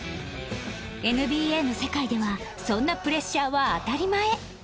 ＮＢＡ の世界ではそんなプレッシャーは当たり前